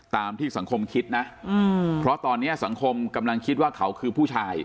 ตามที่สังคมคิดนะเพราะตอนนี้สังคมกำลังคิดว่าเขาคือผู้ชาย